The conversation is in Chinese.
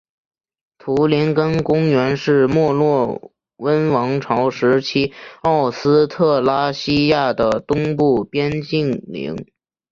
图林根公国是墨洛温王朝时期奥斯特拉西亚的东部边境领。